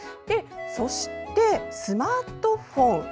そして、スマートフォン。